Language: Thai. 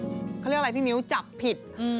เขาเรียกอะไรพี่มิ้วจับผิด